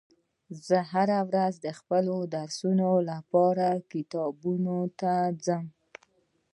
زه هره ورځ د خپلو درسونو لپاره کتابتون ته ځم